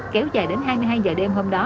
kéo dài đến hai mươi hai giờ đêm hôm đó